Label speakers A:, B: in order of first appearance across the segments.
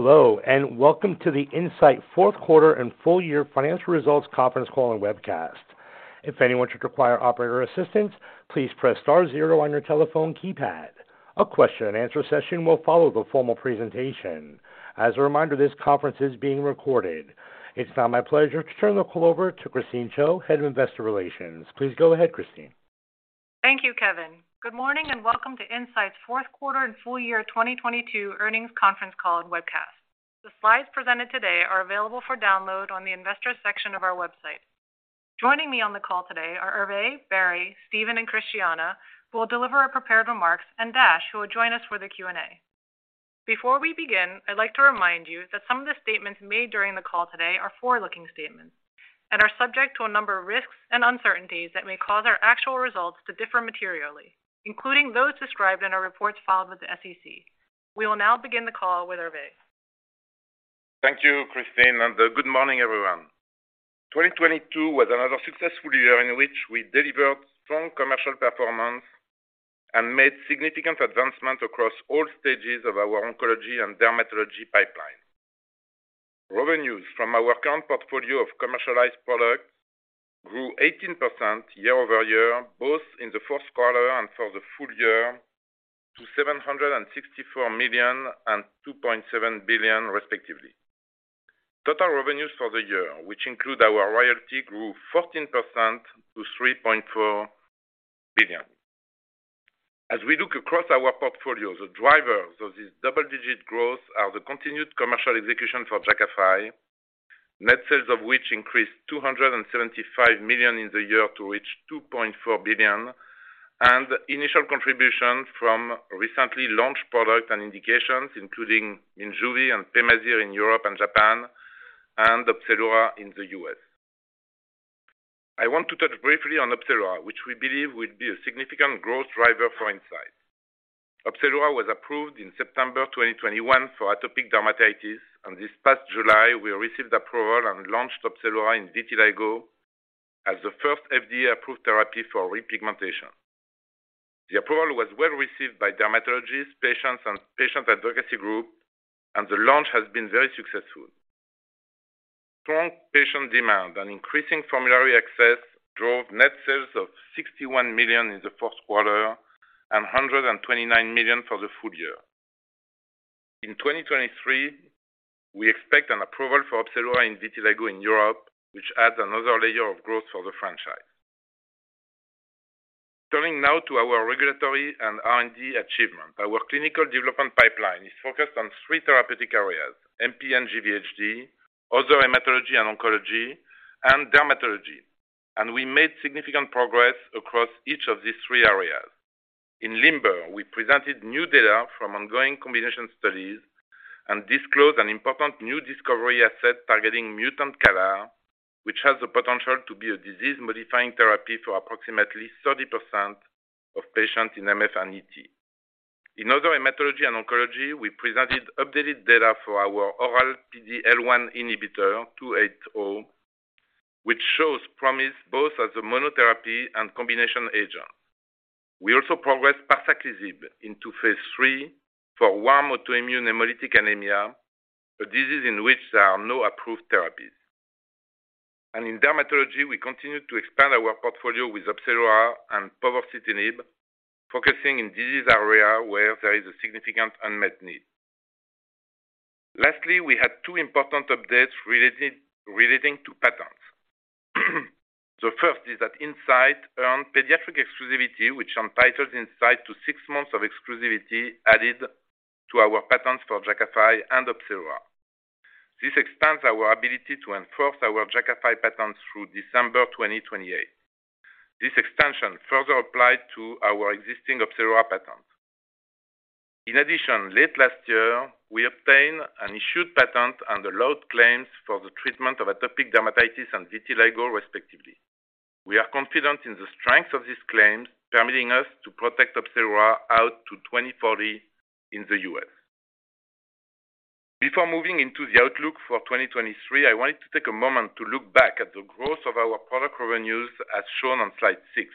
A: Hello, welcome to the Incyte fourth quarter and full year financial results conference call and webcast. If anyone should require operator assistance, please press star zero on your telephone keypad. A question-and-answer session will follow the formal presentation. As a reminder, this conference is being recorded. It's now my pleasure to turn the call over to Christine Cho, Head of Investor Relations. Please go ahead, Christine.
B: Thank you, Kevin. Good morning and welcome to Incyte's fourth quarter and full year 2022 earnings conference call and webcast. The slides presented today are available for download on the investors section of our website. Joining me on the call today are Hervé, Barry, Steven, and Christiana, who will deliver our prepared remarks, and Dashyant, who will join us for the Q&A. Before we begin, I'd like to remind you that some of the statements made during the call today are forward-looking statements and are subject to a number of risks and uncertainties that may cause our actual results to differ materially, including those described in our reports filed with the SEC. We will now begin the call with Hervé.
C: Thank you, Christine, and good morning, everyone. 2022 was another successful year in which we delivered strong commercial performance and made significant advancements across all stages of our oncology and dermatology pipeline. Revenues from our current portfolio of commercialized products grew 18% year-over-year, both in the fourth quarter and for the full year to $764 million and $2.7 billion, respectively. Total revenues for the year, which include our royalty, grew 14% to $3.4 billion. As we look across our portfolio, the drivers of this double-digit growth are the continued commercial execution for Jakafi, net sales of which increased $275 million in the year to reach $2.4 billion. Initial contributions from recently launched products and indications, including Minjuvi and Pemazyre in Europe and Japan and Opzelura in the U.S. I want to touch briefly on Opzelura, which we believe will be a significant growth driver for Incyte. Opzelura was approved in September 2021 for atopic dermatitis. This past July we received approval and launched Opzelura in vitiligo as the first FDA-approved therapy for repigmentation. The approval was well-received by dermatologists, patients, and patient advocacy groups. The launch has been very successful. Strong patient demand and increasing formulary access drove net sales of $61 million in the fourth quarter and $129 million for the full year. In 2023, we expect an approval for Opzelura in vitiligo in Europe, which adds another layer of growth for the franchise. Turning now to our regulatory and R&D achievement. Our clinical development pipeline is focused on three therapeutic areas, MPN GVHD, other hematology and oncology, and dermatology. We made significant progress across each of these three areas. In LIMBER, we presented new data from ongoing combination studies and disclosed an important new discovery asset targeting mutant KRAS, which has the potential to be a disease-modifying therapy for approximately 30% of patients in MF and ET. In other hematology and oncology, we presented updated data for our oral PD-L1 inhibitor INCB086550, which shows promise both as a monotherapy and combination agent. We also progressed Parsaclisib into phase III for warm autoimmune hemolytic anemia, a disease in which there are no approved therapies. In dermatology, we continued to expand our portfolio with Opzelura and Povorcitinib, focusing in disease area where there is a significant unmet need. Lastly, we had two important updates relating to patents. The first is that Incyte earned pediatric exclusivity, which entitles Incyte to six months of exclusivity added to our patents for Jakafi and Opzelura. This expands our ability to enforce our Jakafi patents through December 2028. This extension further applied to our existing Opzelura patent. In addition, late last year, we obtained an issued patent and allowed claims for the treatment of atopic dermatitis and vitiligo, respectively. We are confident in the strength of these claims, permitting us to protect Opzelura out to 2040 in the U.S. Before moving into the outlook for 2023, I wanted to take a moment to look back at the growth of our product revenues as shown on slide six.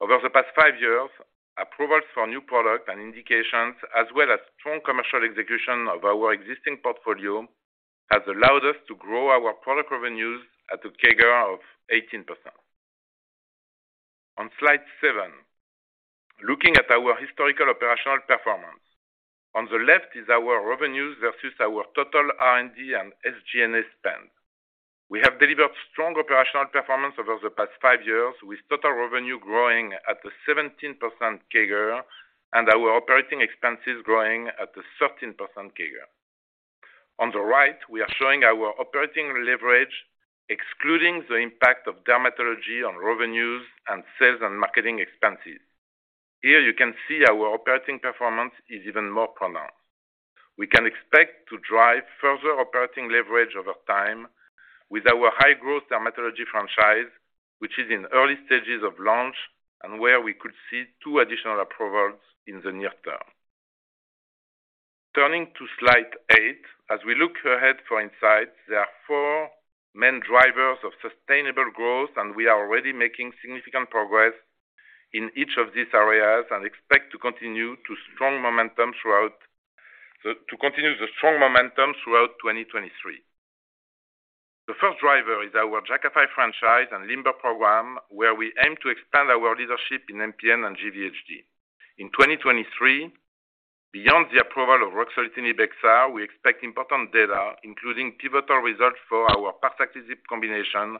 C: Over the past five years, approvals for new products and indications as well as strong commercial execution of our existing portfolio has allowed us to grow our product revenues at a CAGR of 18%. On slide seven, looking at our historical operational performance. On the left is our revenues versus our total R&D and SG&A spend. We have delivered strong operational performance over the past five years with total revenue growing at a 17% CAGR and our operating expenses growing at a 13% CAGR. On the right, we are showing our operating leverage excluding the impact of dermatology on revenues and sales and marketing expenses. Here you can see our operating performance is even more pronounced. We can expect to drive further operating leverage over time with our high-growth dermatology franchise, which is in early stages of launch, and where we could see two additional approvals in the near term. Turning to slide 8. As we look ahead for Incyte, there are four main drivers of sustainable growth, and we are already making significant progress in each of these areas and expect to continue the strong momentum throughout 2023. The first driver is our Jakafi franchise and LIMBER program, where we aim to expand our leadership in MPN and GVHD. In 2023, beyond the approval of ruxolitinib XR, we expect important data, including pivotal results for our combination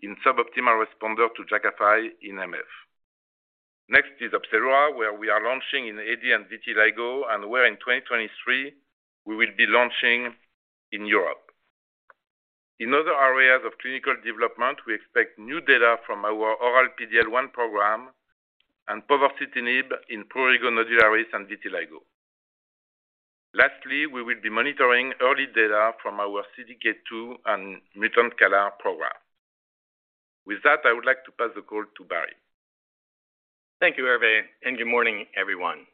C: in sub-optimal responder to Jakafi in MF. Next is Opzelura, where we are launching in AD and vitiligo, and where in 2023, we will be launching in Europe. In other areas of clinical development, we expect new data from our oral PD-L1 program and Povorcitinib in prurigo nodularis and vitiligo. Lastly, we will be monitoring early data from our CDK2 and Mutant CALR program. With that, I would like to pass the call to Barry.
D: Thank you, Hervé. Good morning, everyone.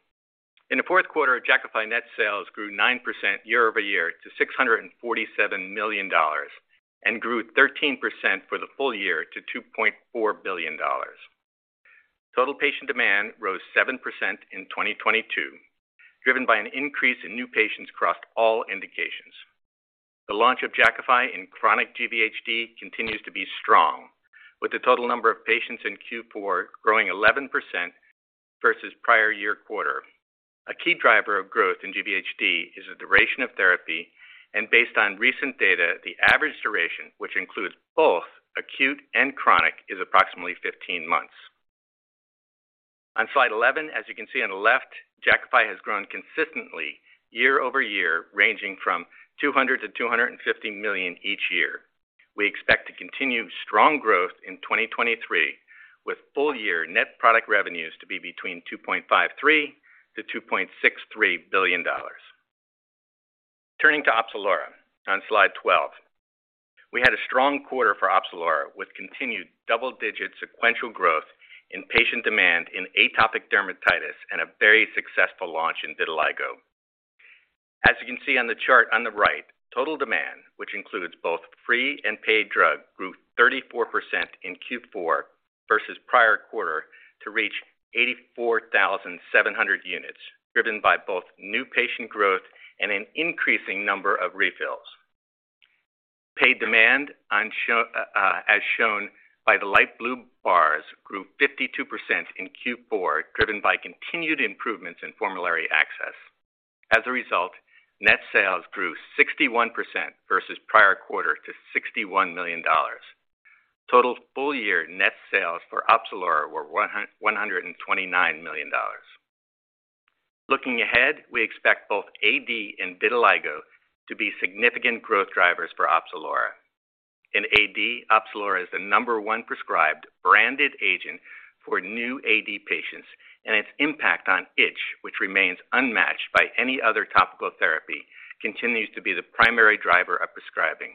D: In the fourth quarter, Jakafi net sales grew 9% year-over-year to $647 million, and grew 13% for the full year to $2.4 billion. Total patient demand rose 7% in 2022, driven by an increase in new patients across all indications. The launch of Jakafi in chronic GVHD continues to be strong, with the total number of patients in Q4 growing 11% versus prior year quarter. A key driver of growth in GVHD is the duration of therapy, and based on recent data, the average duration, which includes both acute and chronic, is approximately 15 months. On slide 11, as you can see on the left, Jakafi has grown consistently year-over-year, ranging from $200 million-$250 million each year. We expect to continue strong growth in 2023, with full year net product revenues to be between $2.53 billion-$2.63 billion. Turning to Opzelura on slide 12. We had a strong quarter for Opzelura, with continued double-digit sequential growth in patient demand in atopic dermatitis and a very successful launch in vitiligo. As you can see on the chart on the right, total demand, which includes both free and paid drug, grew 34% in Q4 versus prior quarter to reach 84,700 units, driven by both new patient growth and an increasing number of refills. Paid demand as shown by the light blue bars, grew 52% in Q4, driven by continued improvements in formulary access. As a result, net sales grew 61% versus prior quarter to $61 million. Total full year net sales for Opzelura were $129 million. Looking ahead, we expect both AD and vitiligo to be significant growth drivers for Opzelura. In AD, Opzelura is the number one prescribed branded agent for new AD patients, and its impact on itch, which remains unmatched by any other topical therapy, continues to be the primary driver of prescribing.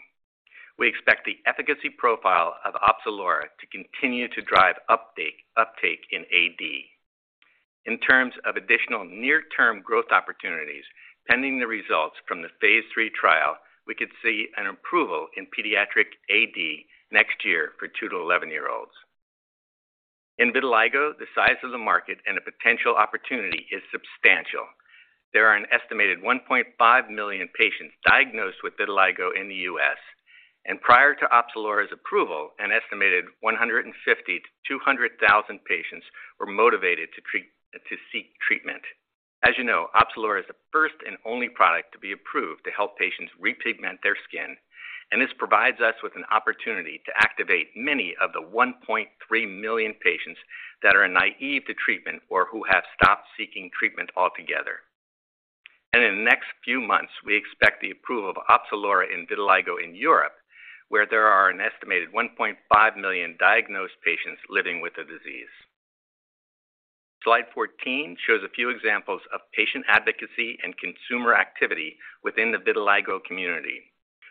D: We expect the efficacy profile of Opzelura to continue to drive uptake in AD. In terms of additional near-term growth opportunities, pending the results from the phase III trial, we could see an approval in pediatric AD next year for two to 11-year-olds. In vitiligo, the size of the market and the potential opportunity is substantial. There are an estimated 1.5 million patients diagnosed with vitiligo in the U.S., and prior to Opzelura's approval, an estimated 150,000-200,000 patients were motivated to seek treatment. As you know, Opzelura is the first and only product to be approved to help patients repigment their skin, and this provides us with an opportunity to activate many of the 1.3 million patients that are naive to treatment or who have stopped seeking treatment altogether. In the next few months, we expect the approval of Opzelura in vitiligo in Europe, where there are an estimated 1.5 million diagnosed patients living with the disease. Slide 14 shows a few examples of patient advocacy and consumer activity within the vitiligo community.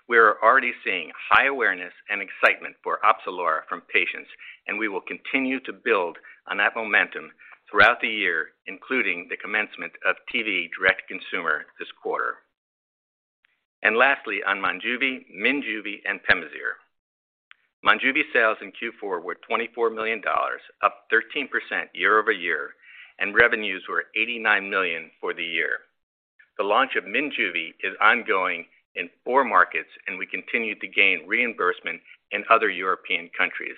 D: We are already seeing high awareness and excitement for Opzelura from patients, and we will continue to build on that momentum throughout the year, including the commencement of TV direct consumer this quarter. Lastly, on Minjuvi, and Pemazyre. Minjuvi sales in Q4 were $24 million, up 13% year-over-year, revenues were $89 million for the year. The launch of Minjuvi is ongoing in four markets, and we continue to gain reimbursement in other European countries.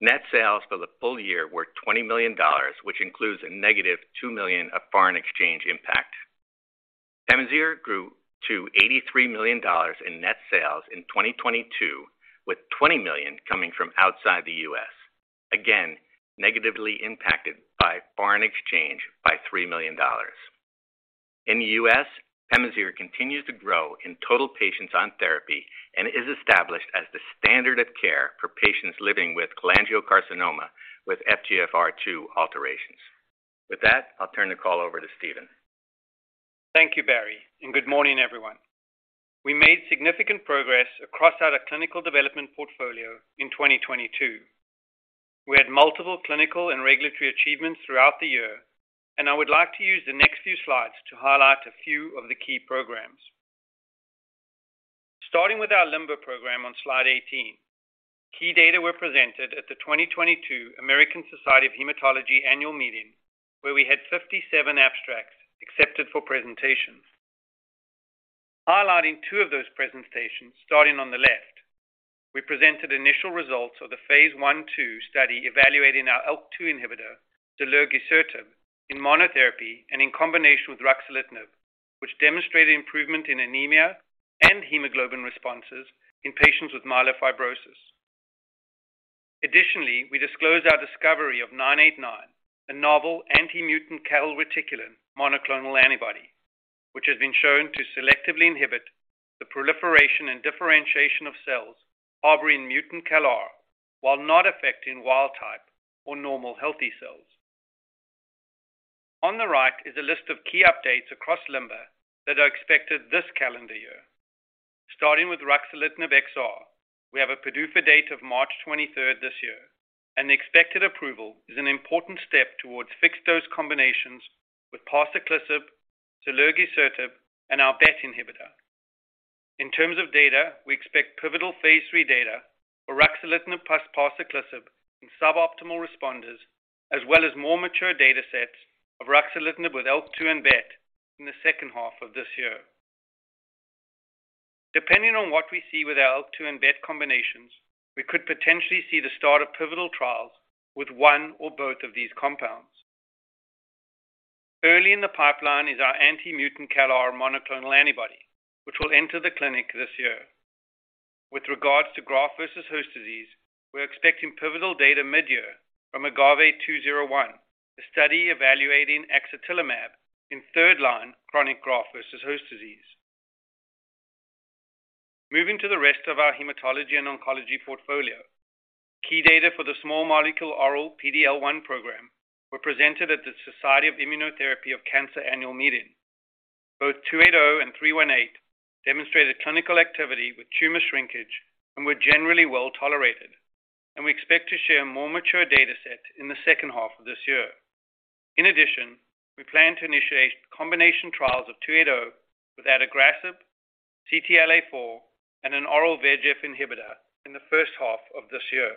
D: Net sales for the full year were $20 million, which includes a -$2 million of foreign exchange impact. Pemazyre grew to $83 million in net sales in 2022, with $20 million coming from outside the U.S. Again, negatively impacted by foreign exchange by $3 million. In the U.S., Pemazyre continues to grow in total patients on therapy and is established as the standard of care for patients living with cholangiocarcinoma with FGFR2 alterations. With that, I'll turn the call over to Steven.
E: Thank you, Barry. Good morning, everyone. We made significant progress across our clinical development portfolio in 2022. We had multiple clinical and regulatory achievements throughout the year. I would like to use the next few slides to highlight a few of the key programs. Starting with our LIMBER program on slide 18, key data were presented at the 2022 American Society of Hematology Annual Meeting, where we had 57 abstracts accepted for presentation. Highlighting two of those presentations starting on the left, we presented initial results of the phase I, II study evaluating our ALK2 inhibitor, Zilurgisertib in monotherapy and in combination with ruxolitinib, which demonstrated improvement in anemia and hemoglobin responses in patients with myelofibrosis. Additionally, we disclosed our discovery of INCB00989, a novel anti-mutant calreticulin monoclonal antibody, which has been shown to selectively inhibit the proliferation and differentiation of cells harboring mutant CALR, while not affecting wild-type or normal healthy cells. On the right is a list of key updates across LIMBER that are expected this calendar year. Starting with Ruxolitinib XR, we have a PDUFA date of March 23rd this year. The expected approval is an important step towards fixed dose combinations with Parsaclisib, Zilurgisertib, and our BET inhibitor. In terms of data, we expect pivotal phase III data for Ruxolitinib plus Parsaclisib in suboptimal responders, as well as more mature data sets of Ruxolitinib with ALK2 and BET in the second half of this year. Depending on what we see with our ALK2 and BET combinations, we could potentially see the start of pivotal trials with one or both of these compounds. Early in the pipeline is our anti-mutant CALR monoclonal antibody, which will enter the clinic this year. With regards to graft-versus-host disease, we're expecting pivotal data mid-year from AGAVE-201, a study evaluating axatilimab in third line chronic graft-versus-host disease. Moving to the rest of our hematology and oncology portfolio, key data for the small molecule oral PD-L1 program were presented at the Society for Immunotherapy of Cancer Annual Meeting. Both INCB99280 and INCB99318 demonstrated clinical activity with tumor shrinkage and were generally well-tolerated. We expect to share more mature data set in the second half of this year. In addition, we plan to initiate combination trials of 280 with adagrasib, CTLA-4, and an oral VEGF inhibitor in the first half of this year.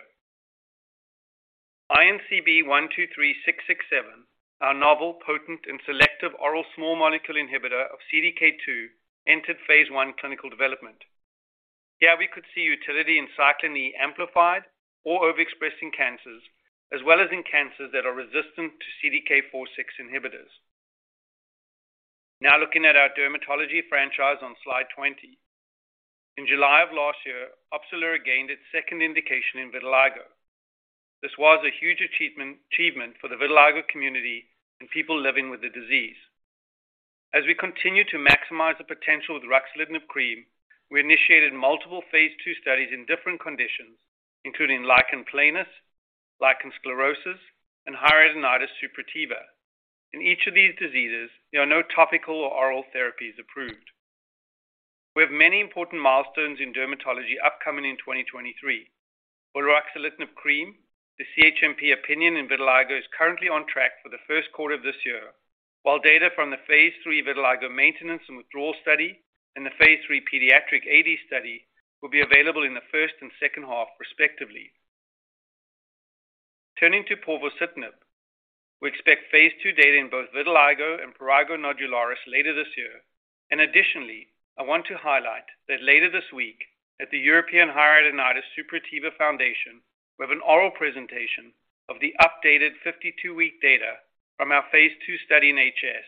E: INCB123667, our novel potent and selective oral small molecule inhibitor of CDK2, entered phase I clinical development. Here we could see utility in Cyclin E amplified or overexpressing cancers, as well as in cancers that are resistant to CDK4/6 inhibitors. Looking at our dermatology franchise on slide 20. In July of last year, Opzelura gained its second indication in vitiligo. This was a huge achievement for the vitiligo community and people living with the disease. As we continue to maximize the potential with ruxolitinib cream, we initiated multiple phase II studies in different conditions, including lichen planus, lichen sclerosus, and hidradenitis suppurativa. In each of these diseases, there are no topical or oral therapies approved. We have many important milestones in dermatology upcoming in 2023. For ruxolitinib cream, the CHMP opinion in vitiligo is currently on track for the first quarter of this year, while data from the phase III vitiligo maintenance and withdrawal study and the phase III pediatric AD study will be available in the first and second half, respectively. Turning to Povorcitinib, we expect phase I data in both vitiligo and prurigo nodularis later this year. Additionally, I want to highlight that later this week at the European Hidradenitis Suppurativa Foundation, we have an oral presentation of the updated 52-week data from our phase II study in HS,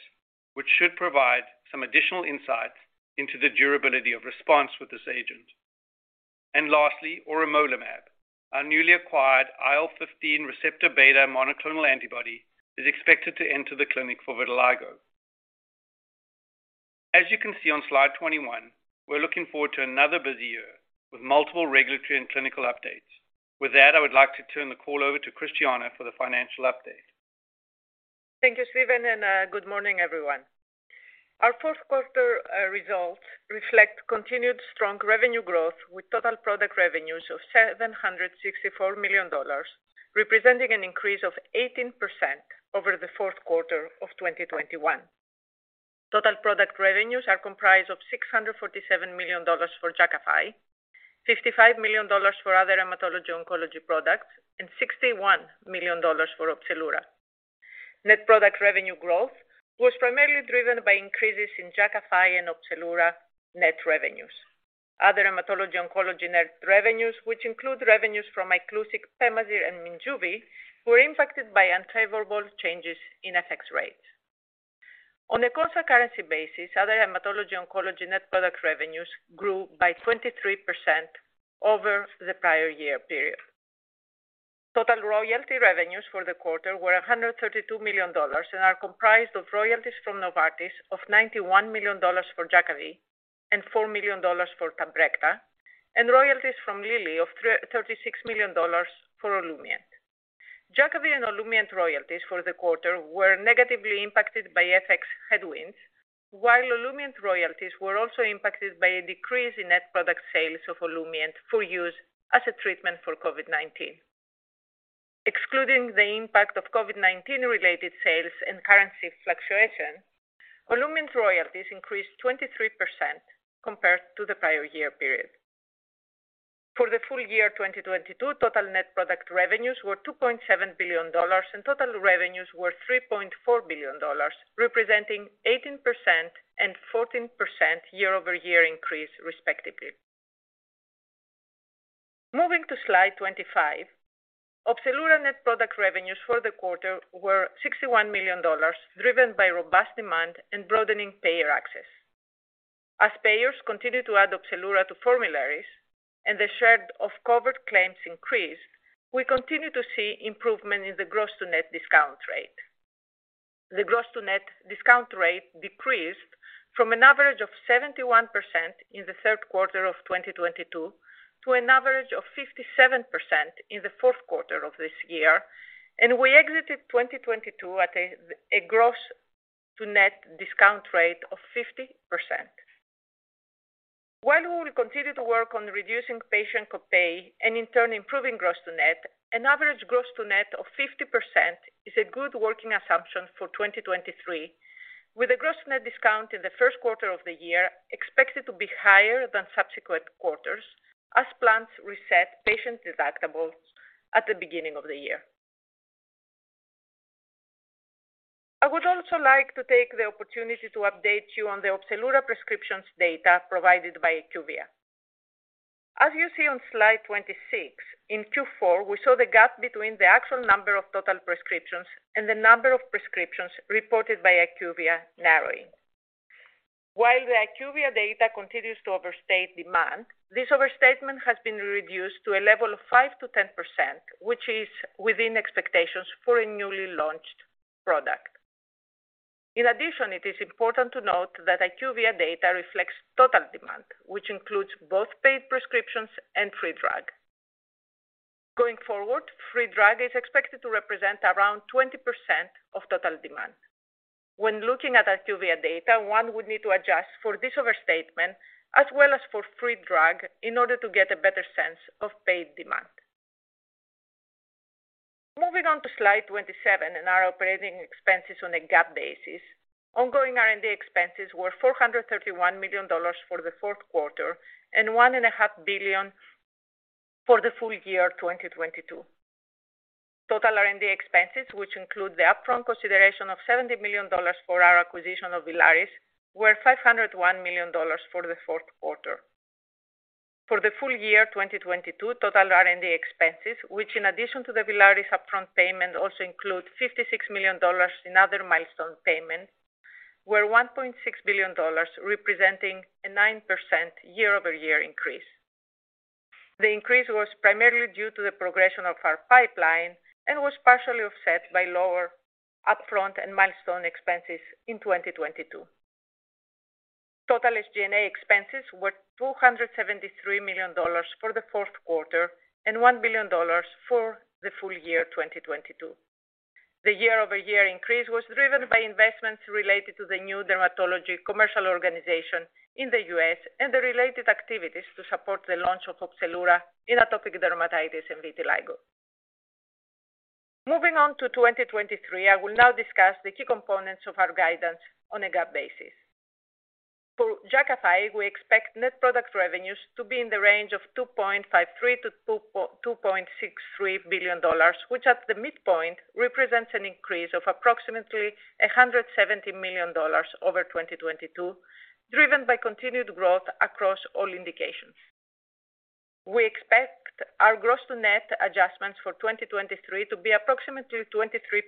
E: which should provide some additional insights into the durability of response with this agent. Lastly, auremolimab, our newly acquired IL-15 receptor beta monoclonal antibody, is expec ted to enter the clinic for vitiligo. As you can see on slide 21, we're looking forward to another busy year with multiple regulatory and clinical updates. With that, I would like to turn the call over to Christiana for the financial update.
F: Thank you, Steven. Good morning, everyone. Our fourth quarter results reflect continued strong revenue growth with total product revenues of $764 million, representing an increase of 18% over the fourth quarter of 2021. Total product revenues are comprised of $647 million for Jakafi, $55 million for other hematology oncology products, and $61 million for Opzelura. Net product revenue growth was primarily driven by increases in Jakafi and Opzelura net revenues. Other hematology oncology net revenues, which include revenues from Iclusig, Pemazyre, and Minjuvi, were impacted by unfavorable changes in FX rates. On a constant currency basis, other hematology oncology net product revenues grew by 23% over the prior year period. Total royalty revenues for the quarter were $132 million and are comprised of royalties from Novartis of $91 million for Jakavi and $4 million for Tafamidis, and royalties from Lilly of $36 million for Olumiant. Jakavi and Olumiant royalties for the quarter were negatively impacted by FX headwinds, while Olumiant royalties were also impacted by a decrease in net product sales of Olumiant for use as a treatment for COVID-19. Excluding the impact of COVID-19 related sales and currency fluctuation, Incyte's royalties increased 23% compared to the prior year period. For the full year 2022, total net product revenues were $2.7 billion, and total revenues were $3.4 billion, representing 18% and 14% year-over-year increase respectively. Moving to slide 25, Opzelura net product revenues for the quarter were $61 million, driven by robust demand and broadening payer access. As payers continue to add Opzelura to formularies and the share of covered claims increase, we continue to see improvement in the gross to net discount rate. The gross to net discount rate decreased from an average of 71% in the third quarter of 2022 to an average of 57% in the fourth quarter of this year. We exited 2022 at a gross to net discount rate of 50%. While we will continue to work on reducing patient copay and in turn improving gross to net, an average gross to net of 50% is a good working assumption for 2023, with a gross net discount in the first quarter of the year expected to be higher than subsequent quarters as plans reset patients' deductibles at the beginning of the year. I would also like to take the opportunity to update you on the Opzelura prescriptions data provided by IQVIA. As you see on slide 26, in Q4, we saw the gap between the actual number of total prescriptions and the number of prescriptions reported by IQVIA narrowing. While the IQVIA data continues to overstate demand, this overstatement has been reduced to a level of 5%-10%, which is within expectations for a newly launched product. In addition, it is important to note that IQVIA data reflects total demand, which includes both paid prescriptions and free drug. Going forward, free drug is expected to represent around 20% of total demand. When looking at IQVIA data, one would need to adjust for this overstatement as well as for free drug in order to get a better sense of paid demand. Moving on to slide 27 in our operating expenses on a GAAP basis. Ongoing R&D expenses were $431 million for the fourth quarter and $1.5 billion for the full year 2022. Total R&D expenses, which include the upfront consideration of $70 million for our acquisition of Villaris, were $501 million for the fourth quarter. For the full year 2022, total R&D expenses, which in addition to the Villaris upfront payment, also include $56 million in other milestone payments, were $1.6 billion, representing a 9% year-over-year increase. The increase was primarily due to the progression of our pipeline and was partially offset by lower upfront and milestone expenses in 2022. Total SG&A expenses were $273 million for the fourth quarter and $1 billion for the full year 2022. The year-over-year increase was driven by investments related to the new dermatology commercial organization in the US and the related activities to support the launch of Opzelura in atopic dermatitis and vitiligo. Moving on to 2023, I will now discuss the key components of our guidance on a GAAP basis. For Jakafi, we expect net product revenues to be in the range of $2.53 billion-$2.63 billion, which at the midpoint represents an increase of approximately $170 million over 2022, driven by continued growth across all indications. We expect our gross to net adjustments for 2023 to be approximately 23%,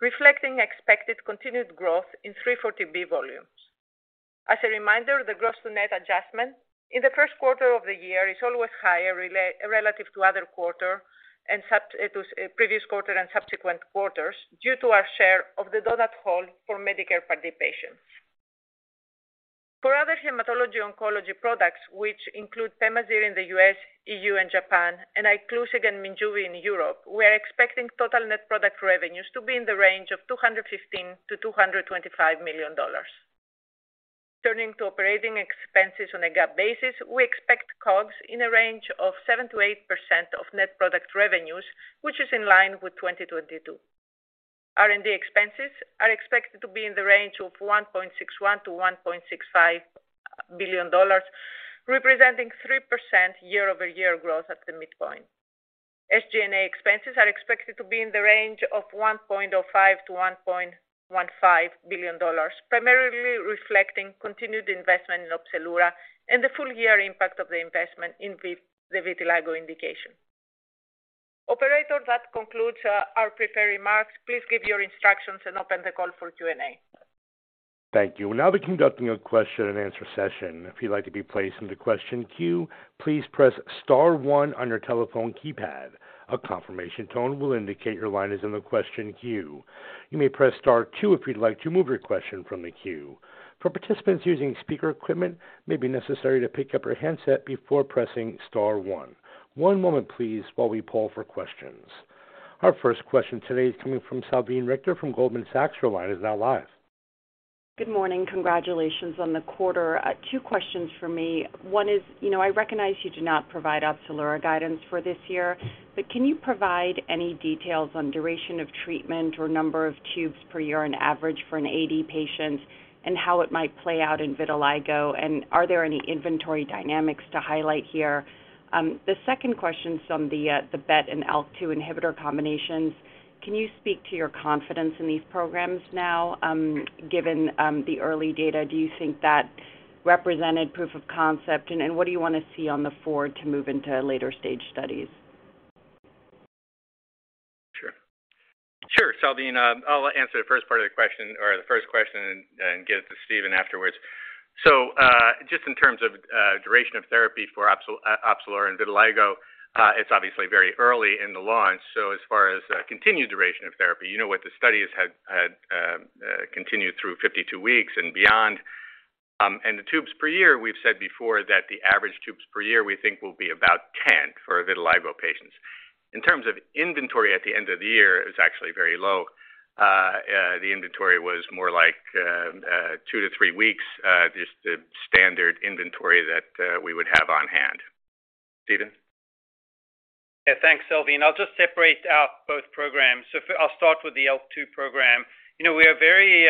F: reflecting expected continued growth in 340B volumes. As a reminder, the gross to net adjustment in the first quarter of the year is always higher relative to other quarter and previous quarter and subsequent quarters, due to our share of the donut hole for Medicare Part D patients. For other hematology-oncology products, which include Pemazyre in the U.S., E.U. and Japan, and Iclusig and Minjuvi in Europe, we are expecting total net product revenues to be in the range of $215 million-$225 million. Turning to operating expenses on a GAAP basis, we expect COGS in a range of 7%-8% of net product revenues, which is in line with 2022. R&D expenses are expected to be in the range of $1.61 billion-$1.65 billion, representing 3% year-over-year growth at the midpoint. SG&A expenses are expected to be in the range of $1.05 billion-$1.15 billion, primarily reflecting continued investment in Opzelura and the full year impact of the investment in the vitiligo indication. Operator, that concludes our prepared remarks. Please give your instructions and open the call for Q&A.
A: Thank you. We'll now be conducting a question and answer session. If you'd like to be placed into question queue, please press star one on your telephone keypad. A confirmation tone will indicate your line is in the question queue. You may press star two if you'd like to remove your question from the queue. For participants using speaker equipment, it may be necessary to pick up your handset before pressing star one. One moment please while we poll for questions. Our first question today is coming from Salveen Richter from Goldman Sachs. Your line is now live.
G: Good morning. Congratulations on the quarter. Two questions for me. One is, you know, I recognize you do not provide Opzelura guidance for this year, but can you provide any details on duration of treatment or number of tubes per year on average for an AD patient and how it might play out in vitiligo? Are there any inventory dynamics to highlight here? The second question is on the BET and IL-2 inhibitor combinations. Can you speak to your confidence in these programs now, given the early data? Do you think that represented proof of concept? What do you wanna see on the forward to move into later stage studies?
D: Sure. Sure, Salveen. I'll answer the first part of the question or the first question and give it to Steven afterwards. Just in terms of duration of therapy for Opzelura and vitiligo, it's obviously very early in the launch, as far as continued duration of therapy, you know what the studies continued through 52 weeks and beyond. The tubes per year, we've said before that the average tubes per year we think will be about 10 for vitiligo patients. In terms of inventory at the end of the year, it's actually very low. The inventory was more like two weeks-three weeks, just the standard inventory that we would have on hand. Steven?
E: Yeah. Thanks, Salveen. I'll just separate out both programs. I'll start with the ALK2 program. You know, we are very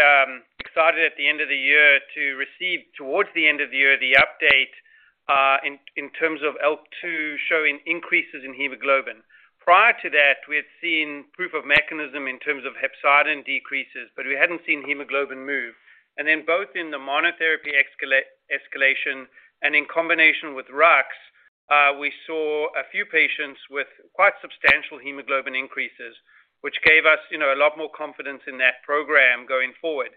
E: excited at the end of the year to receive, towards the end of the year, the update in terms of ALK2 showing increases in hemoglobin. Prior to that, we had seen proof of mechanism in terms of hepcidin decreases, but we hadn't seen hemoglobin move. Then both in the monotherapy escalation and in combination with ruxolitinib, we saw a few patients with quite substantial hemoglobin increases, which gave us, you know, a lot more confidence in that program going forward.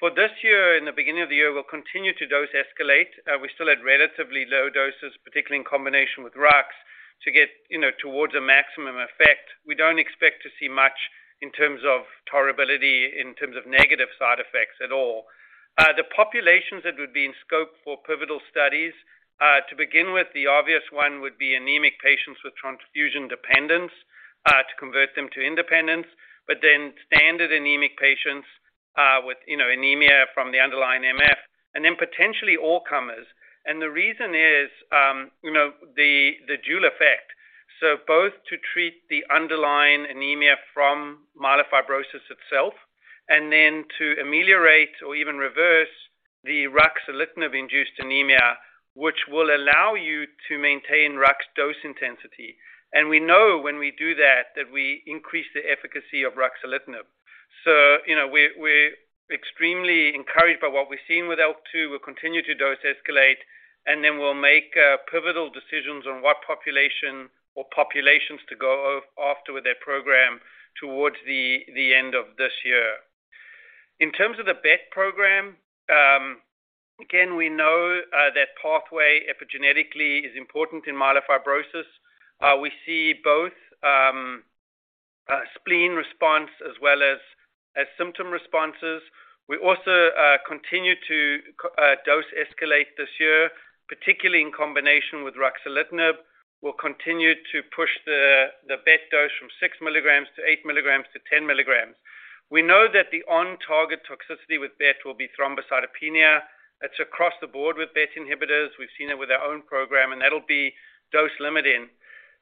E: For this year, in the beginning of the year, we'll continue to dose escalate. We still had relatively low doses, particularly in combination with ruxolitinib, to get, you know, towards a maximum effect. We don't expect to see much in terms of tolerability, in terms of negative side effects at all. The populations that would be in scope for pivotal studies, to begin with, the obvious one would be anemic patients with transfusion dependence, to convert them to independence, but then standard anemic patients, with, you know, anemia from the underlying MF, and then potentially all comers. The reason is, you know, the dual effect. Both to treat the underlying anemia from myelofibrosis itself and then to ameliorate or even reverse the ruxolitinib-induced anemia, which will allow you to maintain ruxolitinib dose intensity. We know when we do that we increase the efficacy of ruxolitinib. You know, we're extremely encouraged by what we've seen with ALK2. We'll continue to dose escalate, and then we'll make pivotal decisions on what population or populations to go after with that program towards the end of this year. In terms of the BET program, again, we know that pathway epigenetically is important in myelofibrosis. We see both spleen response as well as symptom responses. We also continue to dose escalate this year, particularly in combination with ruxolitinib. We'll continue to push the BET dose from 6 milligrams to 8 milligrams to 10 milligrams. We know that the on-target toxicity with BET will be thrombocytopenia. That's across the board with BET inhibitors. We've seen it with our own program, and that'll be dose-limiting.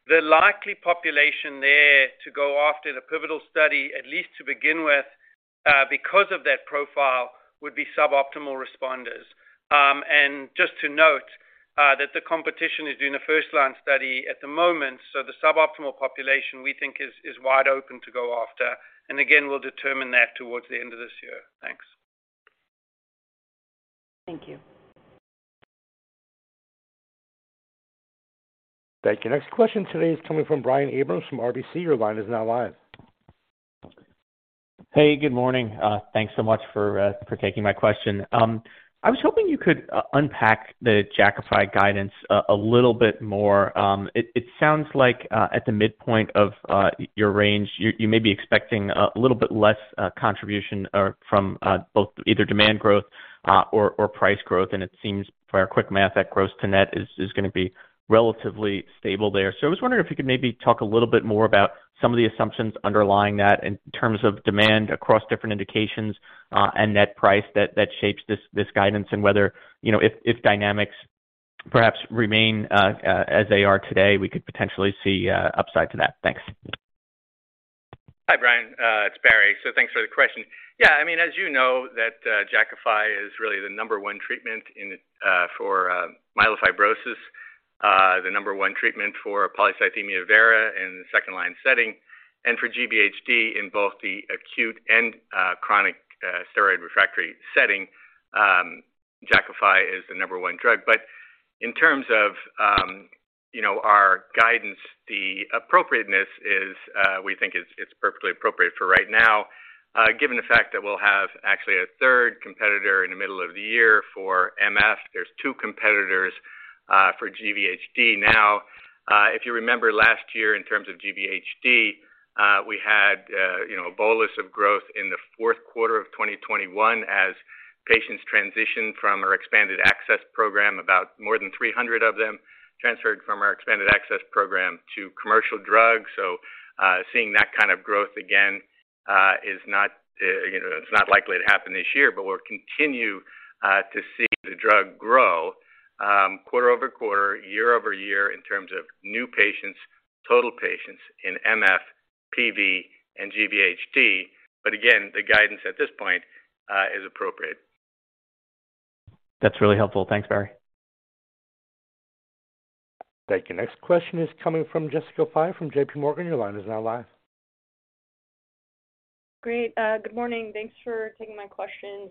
E: The likely population there to go after the pivotal study, at least to begin with, because of that profile, would be suboptimal responders. Just to note, that the competition is doing a first-line study at the moment, so the suboptimal population, we think is wide open to go after. Again, we'll determine that towards the end of this year. Thanks.
G: Thank you.
A: Thank you. Next question today is coming from Brian Abrahams from RBC. Your line is now live.
H: Hey, good morning. Thanks so much for taking my question. I was hoping you could unpack the Jakafi guidance a little bit more. It sounds like at the midpoint of your range, you may be expecting a little bit less contribution from both either demand growth or price growth. It seems by our quick math that gross to net is gonna be relatively stable there. I was wondering if you could maybe talk a little bit more about some of the assumptions underlying that in terms of demand across different indications and net price that shapes this guidance and whether, you know, if dynamics perhaps remain as they are today, we could potentially see upside to that. Thanks.
D: Hi, Brian. I mean, as you know that, Jakafi is really the number one treatment for myelofibrosis, the number one treatment for polycythemia vera in the second line setting, and for GVHD in both the acute and chronic steroid refractory setting, Jakafi is the number one drug. In terms of, you know, our guidance, the appropriateness is, we think it's perfectly appropriate for right now, given the fact that we'll have actually a third competitor in the middle of the year for MF. There's two competitors for GVHD now. If you remember last year in terms of GVHD, we had, you know, a bolus of growth in the fourth quarter of 2021 as patients transitioned from our expanded access program. About more than 300 of them transferred from our expanded access program to commercial drugs. Seeing that kind of growth again is not, you know, it's not likely to happen this year, but we'll continue to see the drug grow quarter-over-quarter, year-over-year in terms of new patients, total patients in MF, PV, and GVHD. Again, the guidance at this point is appropriate.
I: That's really helpful. Thanks, Barry.
A: Thank you. Next question is coming from Jessica Fye from JPMorgan. Your line is now live.
J: Great. good morning. Thanks for taking my questions.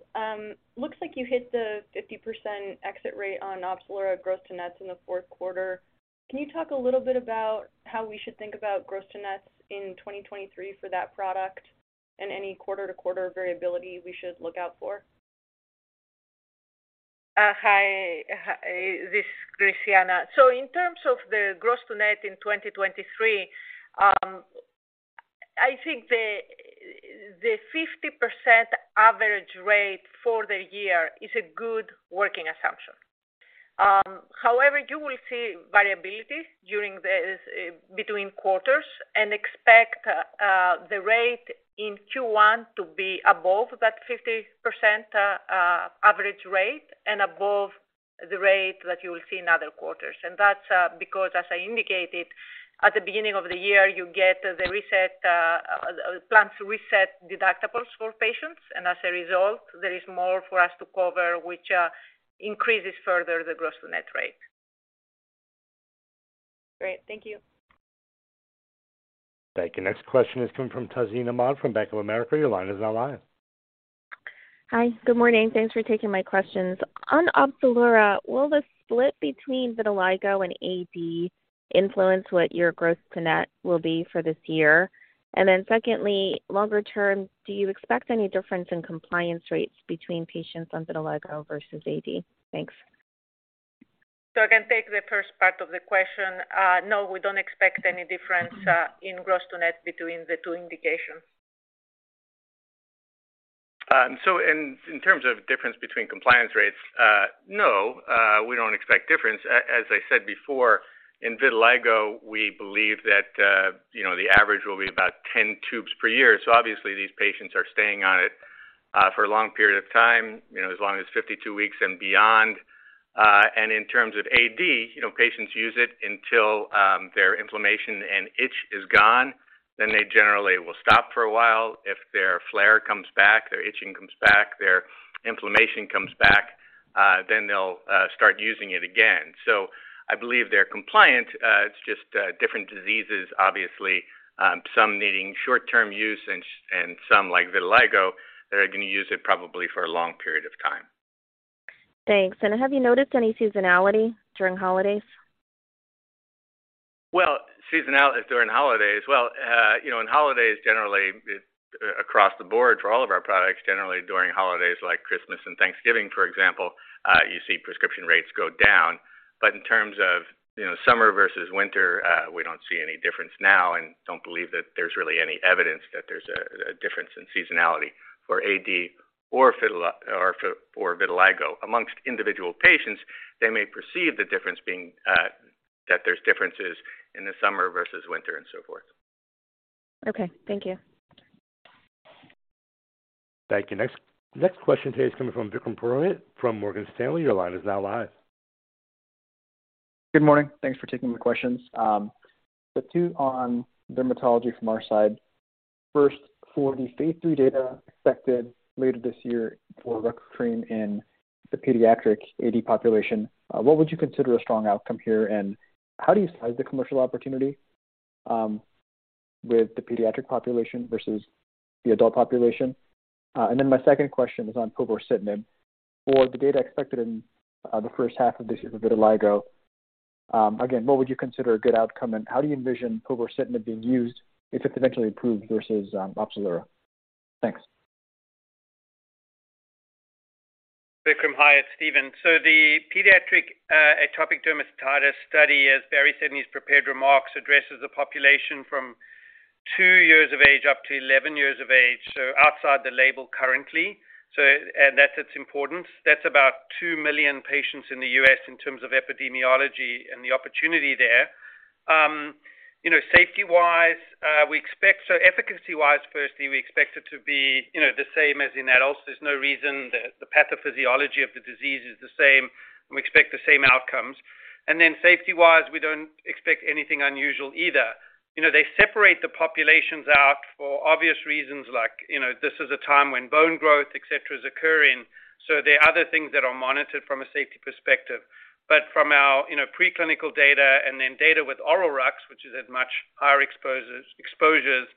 J: looks like you hit the 50% exit rate on Opzelura gross to nets in the fourth quarter. Can you talk a little bit about how we should think about gross to nets in 2023 for that product and any quarter-to-quarter variability we should look out for?
F: Hi, this is Christiana. In terms of the gross to net in 2023, I think the 50% average rate for the year is a good working assumption. However, you will see variability during this, between quarters and expect the rate in Q1 to be above that 50% average rate and above the rate that you will see in other quarters. That's because, as I indicated at the beginning of the year, you get the reset plans to reset deductibles for patients, and as a result, there is more for us to cover, which increases further the gross to net rate.
J: Great. Thank you.
A: Thank you. Next question is coming from Tazeen Ahmad from Bank of America. Your line is now live.
I: Hi. Good morning. Thanks for taking my questions. On Opzelura, will the split between vitiligo and AD influence what your gross to net will be for this year? Secondly, longer term, do you expect any difference in compliance rates between patients on vitiligo versus AD? Thanks.
F: I can take the first part of the question. No, we don't expect any difference in gross to net between the two indications.
C: In, in terms of difference between compliance rates, no, we don't expect difference. As I said before, in vitiligo, we believe that, you know, the average will be about 10 tubes per year. Obviously these patients are staying on it for a long period of time, you know, as long as 52 weeks and beyond. In terms of AD, you know, patients use it until their inflammation and itch is gone, then they generally will stop for a while. If their flare comes back, their itching comes back, their inflammation comes back, then they'll start using it again. I believe they're compliant. It's just different diseases, obviously, some needing short-term use and some like vitiligo, they're gonna use it probably for a long period of time.
I: Thanks. Have you noticed any seasonality during holidays?
C: Well, seasonality during holidays. Well, you know, in holidays generally across the board for all of our products, generally during holidays like Christmas and Thanksgiving, for example, you see prescription rates go down. In terms of, you know, summer versus winter, we don't see any difference now and don't believe that there's really any evidence that there's a difference in seasonality for AD or for vitiligo. Amongst individual patients, they may perceive the difference being that there's differences in the summer versus winter and so forth.
I: Okay, thank you.
A: Thank you. Next question today is coming from Vikram Purohit from Morgan Stanley. Your line is now live.
K: Good morning. Thanks for taking my questions. Two on dermatology from our side. First, for the phase III data expected later this year for ruxolitinib cream in the pediatric AD population, what would you consider a strong outcome here, and how do you size the commercial opportunity, with the pediatric population versus the adult population? Then my second question is on Povorcitinib. For the data expected in the first half of this year for vitiligo, again, what would you consider a good outcome, and how do you envision Povorcitinib being used if it's eventually approved versus Opzelura? Thanks.
E: Vikram, hi, it's Steven. The pediatric atopic dermatitis study, as Barry said in his prepared remarks, addresses the population from two years of age up to 11 years of age, so outside the label currently. That's its importance. That's about 2 million patients in the U.S. in terms of epidemiology and the opportunity there. You know, safety-wise, we expect efficacy-wise, firstly, we expect it to be, you know, the same as in adults. There's no reason the pathophysiology of the disease is the same. We expect the same outcomes. Then safety-wise, we don't expect anything unusual either. You know, they separate the populations out for obvious reasons, like, you know, this is a time when bone growth, etcetera, is occurring. There are other things that are monitored from a safety perspective. From our, you know, preclinical data and then data with oral RUCs, which is at much higher exposures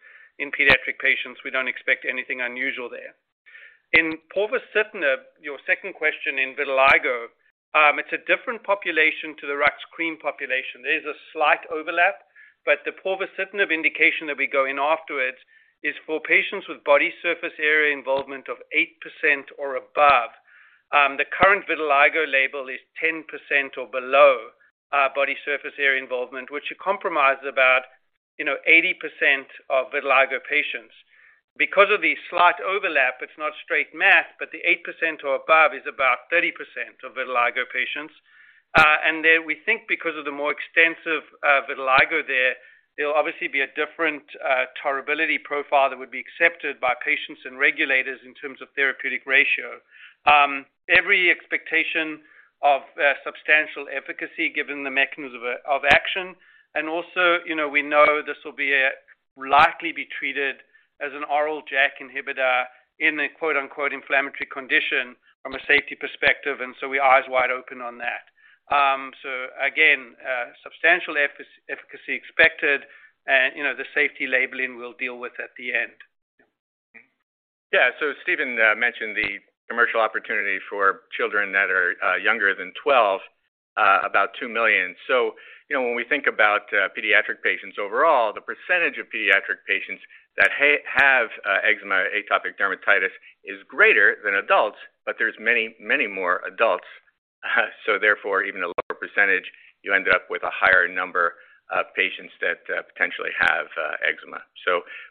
E: in pediatric patients, we don't expect anything unusual there. In Povorcitinib, your second question in vitiligo, it's a different population to the ruxolitinib cream population. There is a slight overlap, but the Povorcitinib indication that we go in after it is for patients with body surface area involvement of 8% or above. The current vitiligo label is 10% or below, body surface area involvement, which it compromises about, you know, 80% of vitiligo patients. Because of the slight overlap, it's not straight math, but the 8% or above is about 30% of vitiligo patients. Then we think because of the more extensive vitiligo there, it'll obviously be a different tolerability profile that would be accepted by patients and regulators in terms of therapeutic ratio. Every expectation of substantial efficacy given the mechanism of action. Also, you know, we know this will be likely be treated as an oral JAK inhibitor in a quote-unquote, "inflammatory condition" from a safety perspective, and so we eyes wide open on that. So again, substantial efficacy expected and, you know, the safety labeling we'll deal with at the end.
D: Steven mentioned the commercial opportunity for children that are younger than 12, about $2 million. You know, when we think about pediatric patients overall, the percentage of pediatric patients that have eczema, atopic dermatitis is greater than adults, but there's many more adults. Therefore, even a lower percentage, you end up with a higher number of patients that potentially have eczema.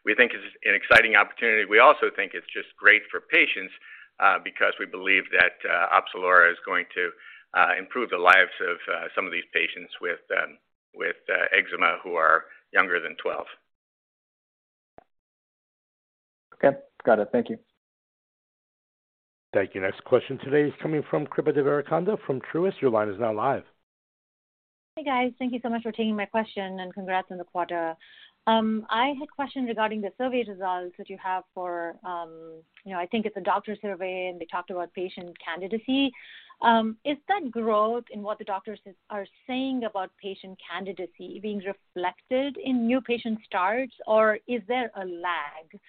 D: We think it's an exciting opportunity. We also think it's just great for patients, because we believe that Opzelura is going to improve the lives of some of these patients with eczema who are younger than 12.
L: Okay. Got it. Thank you.
A: Thank you. Next question today is coming from Kripa Devarakonda from Truist. Your line is now live.
M: Hey, guys. Thank you so much for taking my question and congrats on the quarter. I had questions regarding the survey results that you have for, you know, I think it's a doctor survey, and they talked about patient candidacy. Is that growth in what the doctors are saying about patient candidacy being reflected in new patient starts, or is there a lag?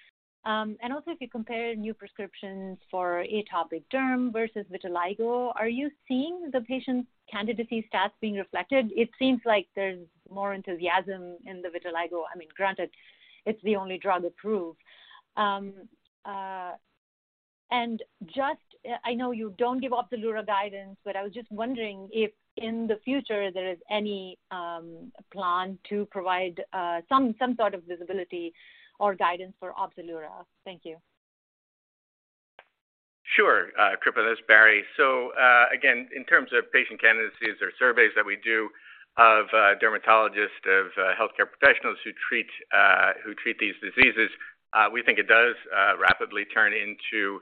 M: Also, if you compare new prescriptions for atopic dermatitis vitiligo, are you seeing the patient candidacy stats being reflected? It seems like there's more enthusiasm in the vitiligo. I mean, granted, it's the only drug approved. And just, I know you don't give Opzelura guidance, but I was just wondering if in the future there is any plan to provide some sort of visibility or guidance for Opzelura. Thank you.
D: Sure. Kripa, this is Barry. Again, in terms of patient candidacies or surveys that we do of dermatologists, of healthcare professionals who treat, who treat these diseases, we think it does rapidly turn into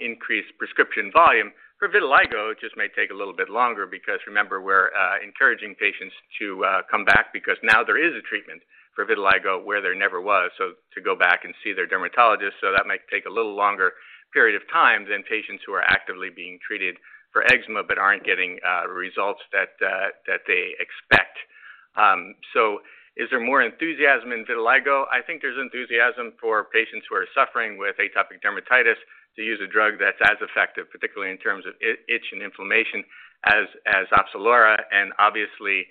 D: increased prescription volume. For vitiligo, it just may take a little bit longer because remember, we're encouraging patients to come back because now there is a treatment for vitiligo where there never was, to go back and see their dermatologist. That might take a little longer period of time than patients who are actively being treated for eczema but aren't getting results that they expect. Is there more enthusiasm in vitiligo? I think there's enthusiasm for patients who are suffering with atopic dermatitis to use a drug that's as effective, particularly in terms of itch and inflammation as Opzelura. Obviously,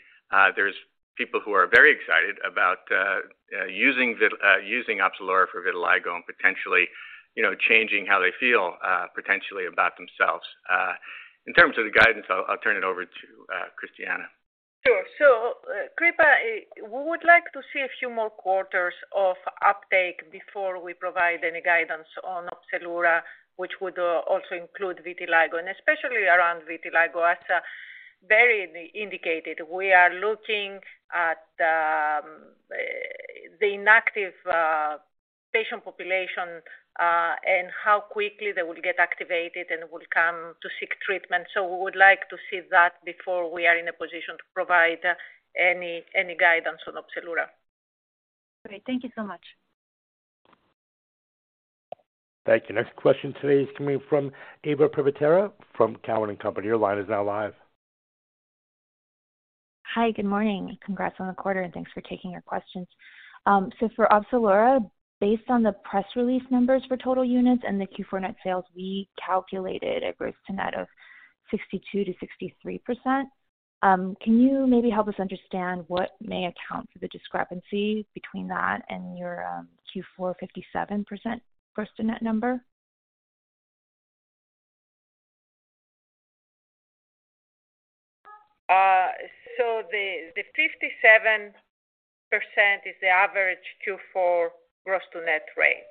D: there's people who are very excited about using Opzelura for vitiligo and potentially, you know, changing how they feel potentially about themselves. In terms of the guidance, I'll turn it over to Christiana.
F: Sure. Kripa, we would like to see a few more quarters of uptake before we provide any guidance on Opzelura, which would also include vitiligo, and especially around vitiligo. As Barry indicated, we are looking at the inactive patient population, and how quickly they will get activated and will come to seek treatment. We would like to see that before we are in a position to provide any guidance on Opzelura.
M: Great. Thank you so much.
A: Thank you. Next question today is coming from Eva Privitera from Cowen and Company. Your line is now live.
N: Hi. Good morning. Congrats on the quarter, and thanks for taking our questions. For Opzelura, based on the press release numbers for total units and the Q4 net sales, we calculated a gross to net of 62%-63%. Can you maybe help us understand what may account for the discrepancy between that and your Q4 57% gross to net number?
F: The 57% is the average Q4 gross to net rate.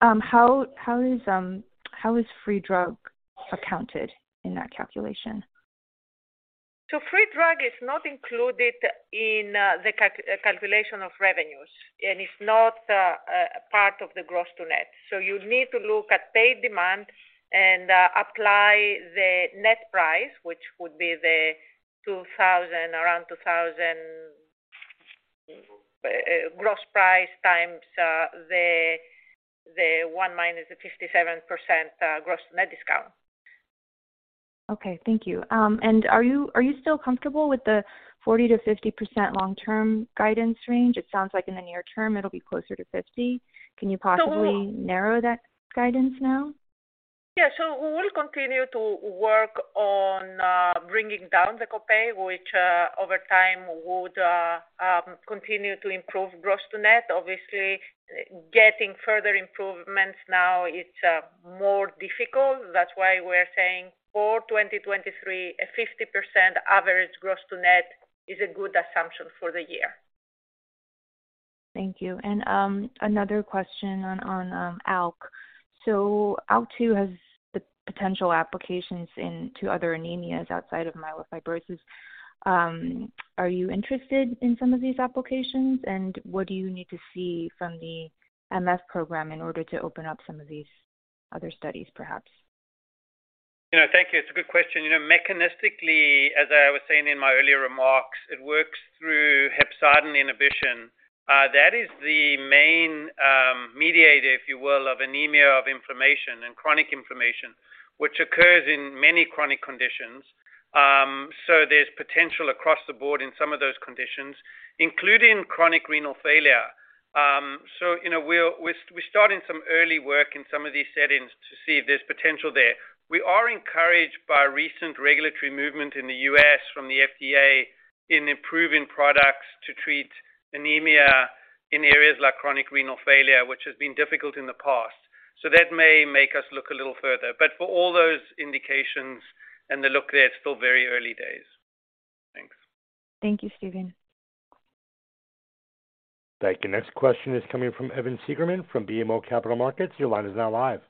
N: How is free drug accounted in that calculation?
F: Free drug is not included in the calculation of revenues, and it's not a part of the gross to net. You need to look at paid demand and apply the net price, which would be the $2,000, around $2,000 gross price times the one minus the 57% gross net discount.
N: Okay. Thank you. Are you still comfortable with the 40%-50% long-term guidance range? It sounds like in the near term it'll be closer to 50.
F: we will-
N: Can you possibly narrow that guidance now?
F: Yeah. We will continue to work on bringing down the copay, which over time would continue to improve gross to net. Obviously, getting further improvements now it's more difficult. That's why we're saying for 2023, a 50% average gross to net is a good assumption for the year.
N: Thank you. another question on ALK. ALK2 has the potential applications in to other anemias outside of myelofibrosis. are you interested in some of these applications, and what do you need to see from the MF program in order to open up some of these other studies perhaps?
E: You know, thank you. It's a good question. You know, mechanistically, as I was saying in my earlier remarks, it works through hepcidin inhibition. That is the main mediator, if you will, of anemia, of inflammation and chronic inflammation, which occurs in many chronic conditions. There's potential across the board in some of those conditions, including chronic renal failure. You know, we're starting some early work in some of these settings to see if there's potential there. We are encouraged by recent regulatory movement in the U.S. from the FDA in improving products to treat anemia in areas like chronic renal failure, which has been difficult in the past. That may make us look a little further. For all those indications and the look there, it's still very early days. Thanks.
N: Thank you, Steven.
A: Thank you. Next question is coming from Evan Seigerman from BMO Capital Markets. Your line is now live.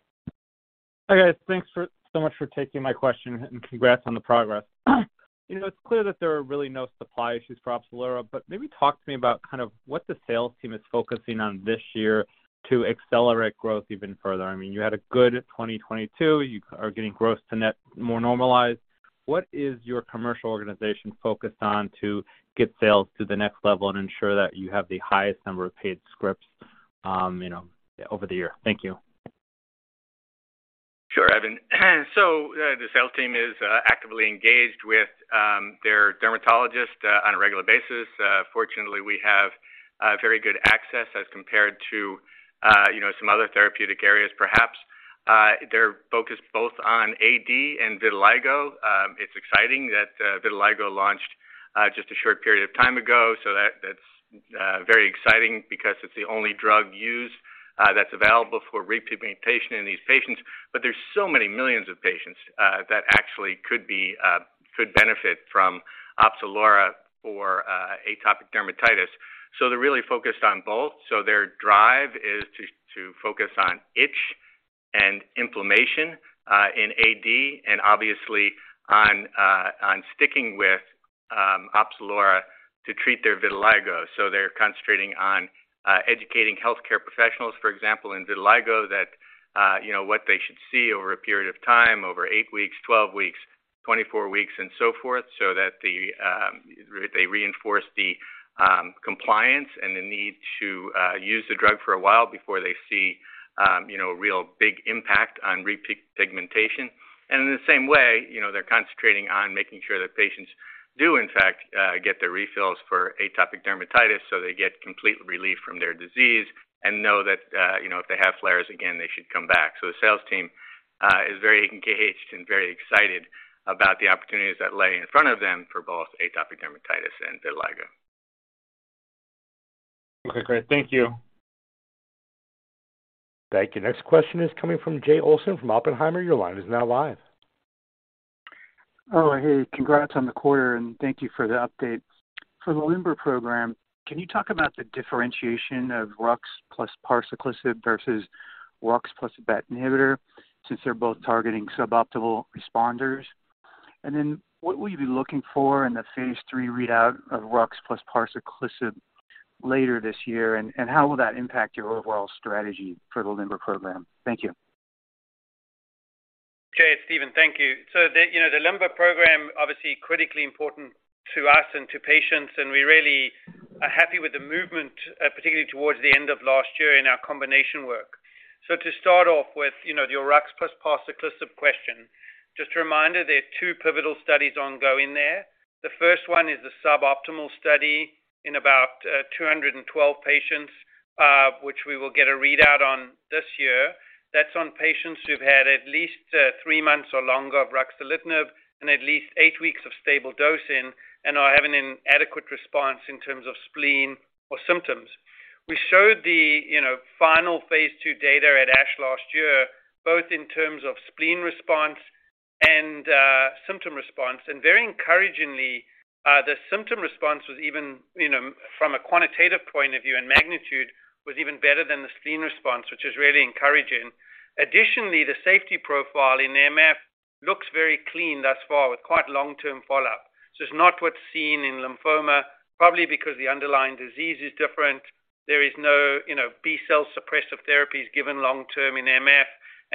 O: Hi, guys. Thanks for so much for taking my question. Congrats on the progress. You know, it's clear that there are really no supply issues for Opzelura. Maybe talk to me about kind of what the sales team is focusing on this year to accelerate growth even further. I mean, you had a good 2022. You are getting gross to net more normalized. What is your commercial organization focused on to get sales to the next level and ensure that you have the highest number of paid scripts, you know, over the year? Thank you.
D: Sure, Evan. The sales team is actively engaged with their dermatologist on a regular basis. Fortunately, we have a very good access as compared to, you know, some other therapeutic areas perhaps. They're focused both on AD and vitiligo. It's exciting that vitiligo launched just a short period of time ago. That's very exciting because it's the only drug used that's available for repigmentation in these patients. There's so many millions of patients that actually could benefit from Opzelura for atopic dermatitis. They're really focused on both. Their drive is to focus on itch and inflammation in AD and obviously on sticking with Opzelura to treat their vitiligo. They're concentrating on educating healthcare professionals, for example, in vitiligo that, you know, what they should see over a period of time, over eight weeks, 12 weeks, 24 weeks, and so forth, so that they reinforce the compliance and the need to use the drug for a while before they see, you know, real big impact on repigmentation. In the same way, you know, they're concentrating on making sure that patients do in fact, get their refills for atopic dermatitis so they get complete relief from their disease and know that, you know, if they have flares again, they should come back. The sales team is very engaged and very excited about the opportunities that lay in front of them for both atopic dermatitis and vitiligo.
O: Okay, great. Thank you.
A: Thank you. Next question is coming from Jay Olson from Oppenheimer. Your line is now live.
P: Oh, hey. Congrats on the quarter. Thank you for the update. For the LIMBER program, can you talk about the differentiation of ruxolitinib plus parsaclisib verses ruxolitinib plus a BET inhibitor since they're both targeting suboptimal responders? What will you be looking for in the phase three readout of ruxolitinib plus parsaclisib later this year, and how will that impact your overall strategy for the LIMBER program? Thank you.
E: Jay, it's Steven. Thank you. The, you know, the LIMBER program, obviously critically important to us and to patients, and we really are happy with the movement, particularly towards the end of last year in our combination work. To start off with, you know, your ruxolitinib plus parsaclisib question, just a reminder, there are two pivotal studies ongoing there. The first one is the suboptimal study in about 212 patients, which we will get a readout on this year. That's on patients who've had at least three months or longer of ruxolitinib and at least eight weeks of stable dosing and are having an adequate response in terms of spleen or symptoms. We showed the, you know, final phase II data at ASH last year, both in terms of spleen response and symptom response. Very encouragingly, the symptom response was even, you know, from a quantitative point of view and magnitude, was even better than the spleen response, which is really encouraging. Additionally, the safety profile in MF looks very clean thus far with quite long-term follow-up. It's not what's seen in lymphoma, probably because the underlying disease is different. There is no, you know, B-cell suppressive therapies given long-term in MF.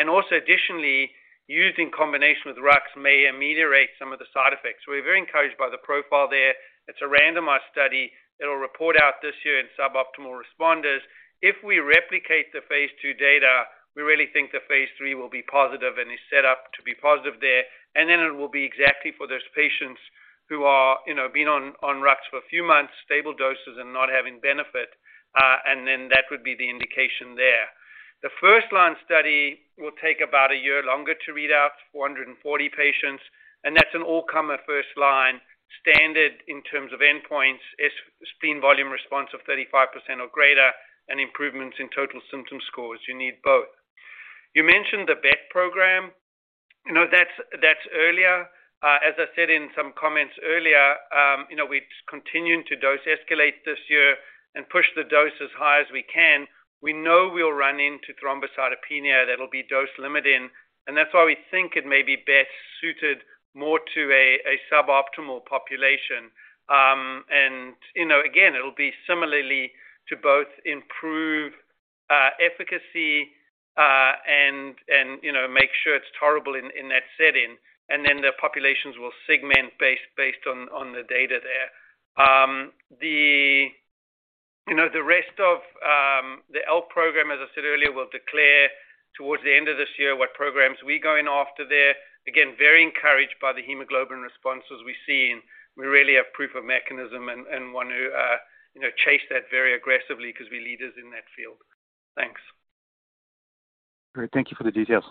E: Also additionally, used in combination with ruxolitinib may ameliorate some of the side effects. We're very encouraged by the profile there. It's a randomized study that will report out this year in suboptimal responders. If we replicate the phase two data, we really think the phase three will be positive and is set up to be positive there. it will be exactly for those patients who are, you know, been on ruxolitinib for a few months, stable doses and not having benefit, that would be the indication there. The first line study will take about a year longer to read out, 440 patients, and that's an all-comer first line standard in terms of endpoints, spleen volume response of 35% or greater and improvements in total symptom scores. You need both. You mentioned the BET program. You know, that's earlier. As I said in some comments earlier, you know, we're continuing to dose escalate this year and push the dose as high as we can. We know we'll run into thrombocytopenia that'll be dose limiting. That's why we think it may be best suited more to a suboptimal population. You know, again, it'll be similarly to both improve efficacy and, you know, make sure it's tolerable in that setting. The populations will segment based on the data there. The rest of the MPN program, as I said earlier, will declare towards the end of this year what programs we're going after there. Again, very encouraged by the hemoglobin responses we've seen. We really have proof of mechanism and want to, you know, chase that very aggressively 'cause we're leaders in that field. Thanks.
P: Great. Thank you for the details.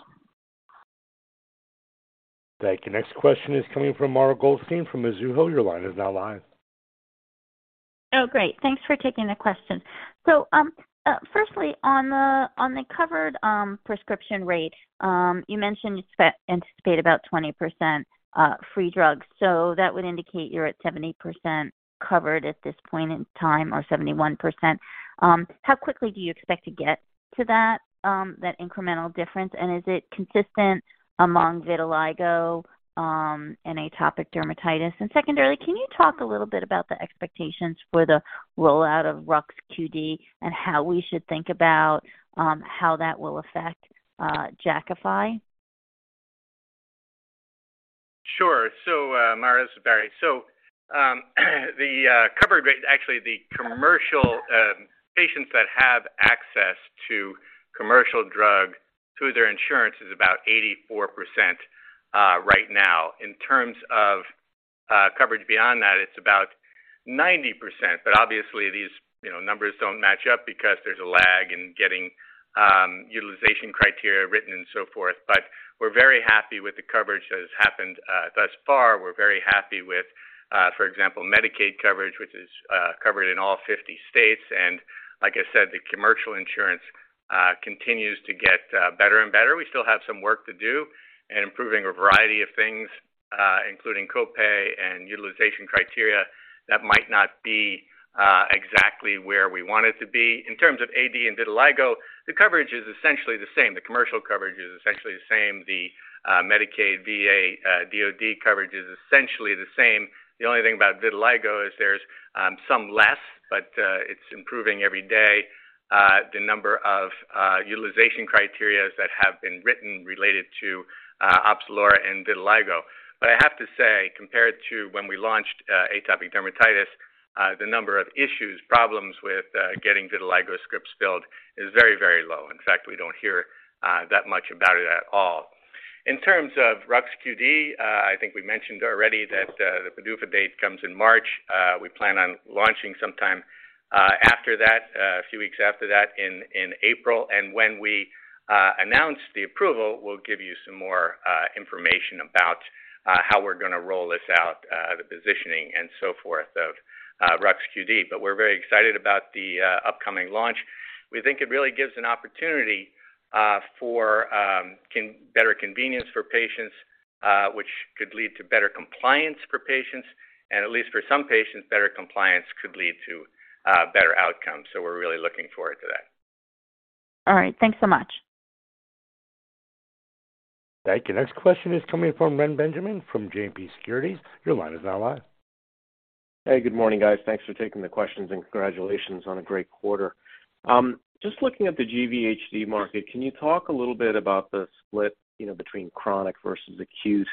A: Thank you. Next question is coming from Mara Goldstein from Mizuho. Your line is now live.
Q: Great. Thanks for taking the question. Firstly on the, on the covered prescription rate, you mentioned you anticipate about 20% free drugs, so that would indicate you're at 70% covered at this point in time, or 71%. How quickly do you expect to get to that incremental difference? Is it consistent among vitiligo and atopic dermatitis? Secondarily, can you talk a little bit about the expectations for the rollout of ruxolitinib extended-release and how we should think about how that will affect Jakafi?
D: Sure. Mara, this is Barry. The coverage rate. Actually, the commercial patients that have access to commercial drug through their insurance is about 84% right now. In terms of coverage beyond that, it's about 90%. Obviously, these, you know, numbers don't match up because there's a lag in getting utilization criteria written and so forth. We're very happy with the coverage that has happened thus far. We're very happy with, for example, Medicaid coverage, which is covered in all 50 states. Like I said, the commercial insurance continues to get better and better. We still have some work to do in improving a variety of things, including co-pay and utilization criteria that might not be exactly where we want it to be. In terms of AD and vitiligo, the coverage is essentially the same. The commercial coverage is essentially the same. The Medicaid, VA, DOD coverage is essentially the same. The only thing about vitiligo is there's some less, but it's improving every day, the number of utilization criterias that have been written related to Opzelura and vitiligo. But I have to say, compared to when we launched atopic dermatitis, the number of issues, problems with getting vitiligo scripts filled is very, very low. In fact, we don't hear that much about it at all. In terms of ruxolitinib extended-release, I think we mentioned already that the PDUFA date comes in March. We plan on launching sometime after that, a few weeks after that in April. When we announce the approval, we'll give you some more information about how we're gonna roll this out, the positioning and so forth of ruxolitinib extended-release. We're very excited about the upcoming launch. We think it really gives an opportunity for better convenience for patients, which could lead to better compliance for patients, and at least for some patients, better compliance could lead to better outcomes. We're really looking forward to that.
Q: All right. Thanks so much.
A: Thank you. Next question is coming from Reni Benjamin from JMP Securities. Your line is now live.
R: Hey, good morning, guys. Thanks for taking the questions and congratulations on a great quarter. Just looking at the GVHD market, can you talk a little bit about the split, you know, between chronic versus acute?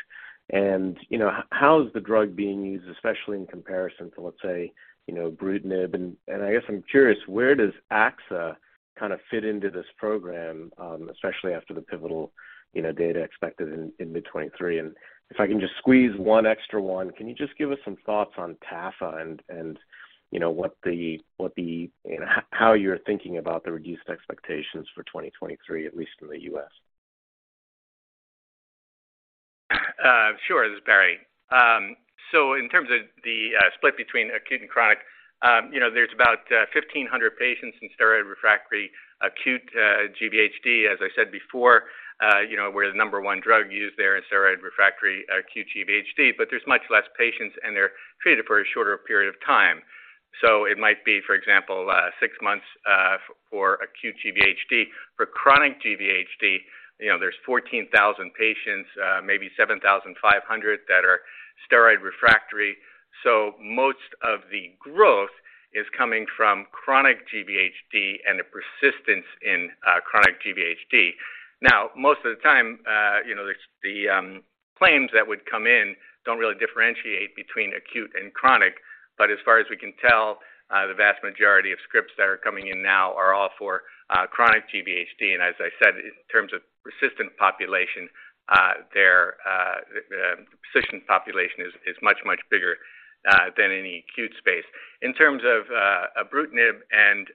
R: You know, how is the drug being used, especially in comparison to, let's say, you know, ibrutinib? I guess I'm curious, where does axatilimab kind of fit into this program, especially after the pivotal, you know, data expected in mid 2023? If I can just squeeze one extra one, can you just give us some thoughts on Tafa and, you know, what the, you know, how you're thinking about the reduced expectations for 2023, at least in the U.S.?
D: Sure. This is Barry. In terms of the split between acute and chronic, you know, there's about 1,500 patients in steroid-refractory acute GVHD. As I said before, you know, we're the number one drug used there in steroid-refractory acute GVHD, but there's much less patients, and they're treated for a shorter period of time. It might be, for example, six months for acute GVHD. For chronic GVHD, you know, there's 14,000 patients, maybe 7,500 that are steroid refractory. Most of the growth is coming from chronic GVHD and the persistence in chronic GVHD. Now, most of the time, you know, the claims that would come in don't really differentiate between acute and chronic. As far as we can tell, the vast majority of scripts that are coming in now are all for chronic GVHD. As I said, in terms of persistent population, their the persistent population is much, much bigger than in the acute space. In terms of ibrutinib and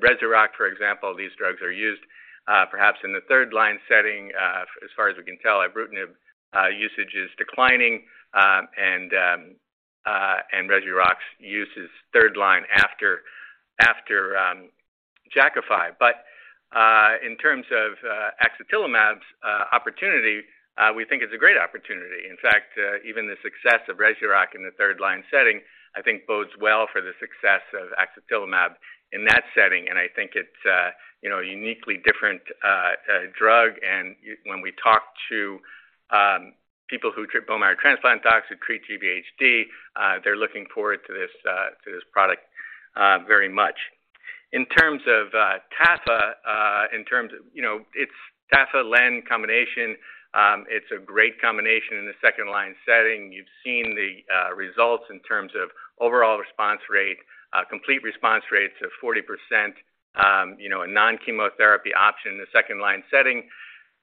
D: Rezurock, for example, these drugs are used perhaps in the third line setting. As far as we can tell, ibrutinib usage is declining, and Rezurock's use is third line after Jakafi. In terms of axicabtagene opportunity, we think it's a great opportunity. In fact, even the success of Rezurock in the third line setting, I think bodes well for the success of axicabtagene in that setting. I think it's, you know, a uniquely different drug. When we talk to people who treat bone marrow transplant docs, who treat GVHD, they're looking forward to this to this product very much. In terms of Tafa, You know, it's Tafa-Len combination. It's a great combination in the second line setting. You've seen the results in terms of overall response rate, complete response rates of 40%, you know, a non-chemotherapy option in the second line setting.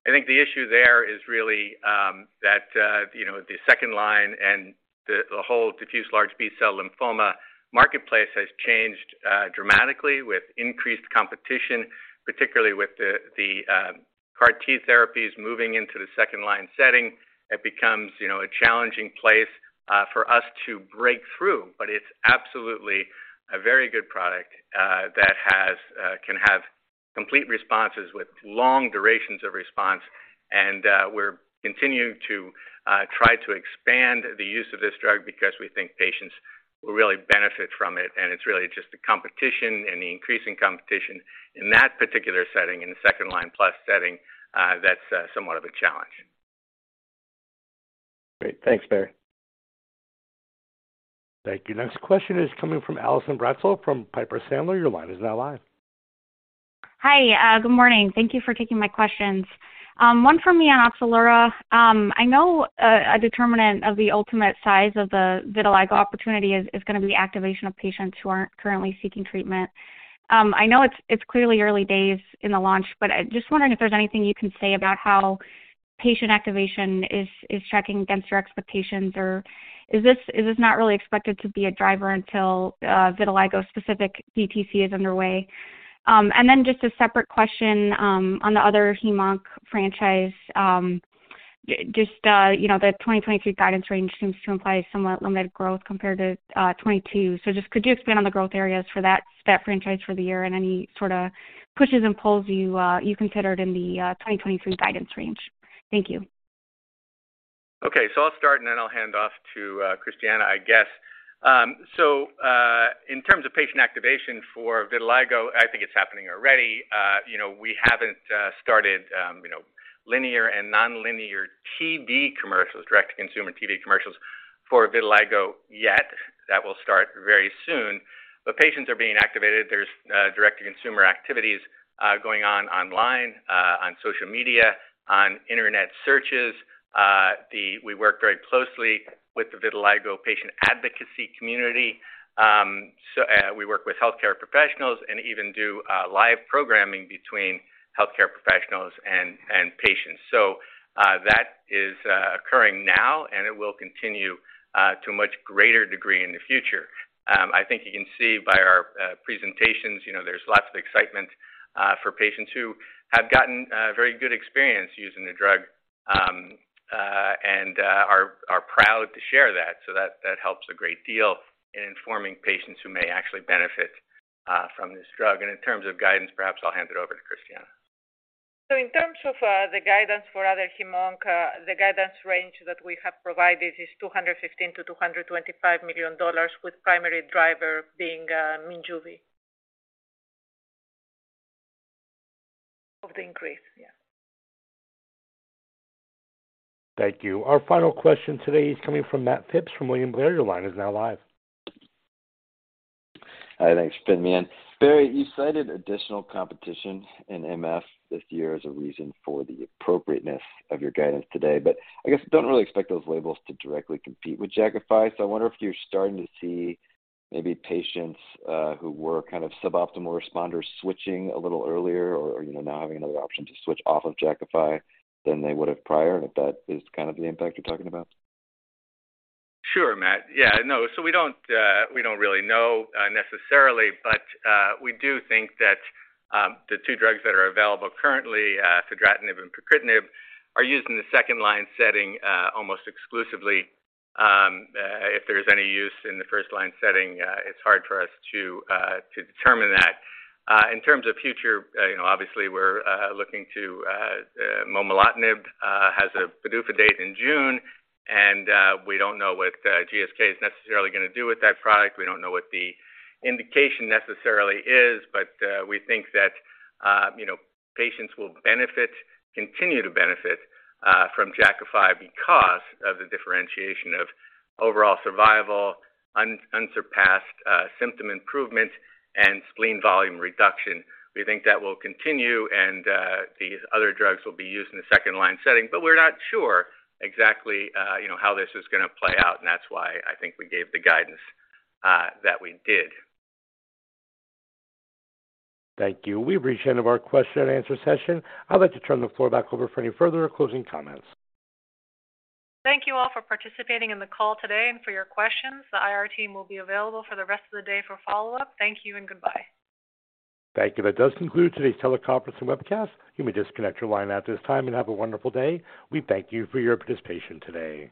D: I think the issue there is really that, you know, the second line and the whole Diffuse large B-cell lymphoma marketplace has changed dramatically with increased competition, particularly with the CAR T therapies moving into the second line setting. It becomes, you know, a challenging place for us to break through. It's absolutely a very good product, can have complete responses with long durations of response. We're continuing to try to expand the use of this drug because we think patients will really benefit from it. It's really just the competition and the increasing competition in that particular setting, in the second line plus setting, that's somewhat of a challenge.
R: Great. Thanks, Barry.
A: Thank you. Next question is coming from Allison Bratzel from Piper Sandler. Your line is now live.
S: Hi. Good morning. Thank you for taking my questions. One for me on Opzelura. I know, a determinant of the ultimate size of the vitiligo opportunity is gonna be activation of patients who aren't currently seeking treatment. I know it's clearly early days in the launch, but I'm just wondering if there's anything you can say about how patient activation is tracking against your expectations, or is this not really expected to be a driver until vitiligo specific DTC is underway? Just a separate question, on the other Hem/Onc franchise. Just, you know, the 2022 guidance range seems to imply somewhat limited growth compared to 2022. Just could you expand on the growth areas for that franchise for the year and any sort of pushes and pulls you considered in the 2023 guidance range? Thank you.
D: Okay. I'll start, and then I'll hand off to Christiana, I guess. In terms of patient activation for vitiligo, I think it's happening already. You know, we haven't started, you know, linear and non-linear TV commercials, direct to consumer TV commercials for vitiligo yet. That will start very soon. Patients are being activated. There's direct to consumer activities going on online, on social media, on internet searches. We work very closely with the Vitiligo Patient Advocacy Community. We work with healthcare professionals and even do live programming between healthcare professionals and patients. That is occurring now, and it will continue to a much greater degree in the future. I think you can see by our presentations, you know, there's lots of excitement for patients who have gotten very good experience using the drug, and are proud to share that. That helps a great deal in informing patients who may actually benefit from this drug. In terms of guidance, perhaps I'll hand it over to Christiana.
F: In terms of, the guidance for other Hem/Onc, the guidance range that we have provided is $215 million-$225 million, with primary driver being, Minjuvi. Of the increase, yeah.
A: Thank you. Our final question today is coming from Matt Phipps from William Blair. Your line is now live.
L: Hi, thanks for fitting me in. Barry, you cited additional competition in MF this year as a reason for the appropriateness of your guidance today. I guess I don't really expect those labels to directly compete with Jakafi. I wonder if you're starting to see maybe patients who were kind of suboptimal responders switching a little earlier or, you know, now having another option to switch off of Jakafi than they would have prior, and if that is kind of the impact you're talking about?
D: Sure, Matt. Yeah. No. We don't, we don't really know, necessarily, but we do think that the two drugs that are available currently, fedratinib and pacritinib, are used in the second line setting almost exclusively. If there's any use in the first line setting, it's hard for us to determine that. In terms of future, you know, obviously, we're looking to momelotinib has a PDUFA date in June, and we don't know what GSK is necessarily gonna do with that product. We don't know what the indication necessarily is, but we think that, you know, patients will benefit, continue to benefit, from Jakafi because of the differentiation of overall survival, unsurpassed, symptom improvement, and spleen volume reduction. We think that will continue and, the other drugs will be used in the second line setting, but we're not sure exactly, you know, how this is gonna play out, and that's why I think we gave the guidance, that we did.
A: Thank you. We've reached the end of our question and answer session. I'd like to turn the floor back over for any further closing comments.
B: Thank you all for participating in the call today and for your questions. The IR team will be available for the rest of the day for follow-up. Thank you and goodbye.
A: Thank you. That does conclude today's teleconference and webcast. You may disconnect your line at this time and have a wonderful day. We thank you for your participation today.